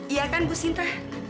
iya kan bu sinta